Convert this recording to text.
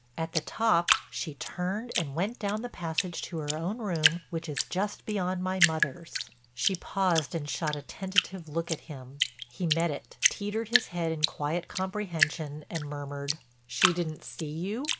At the top she turned and went down the passage to her own room which is just beyond my mother's." She paused and shot a tentative look at him. He met it, teetered his head in quiet comprehension and murmured: "She didn't see you?"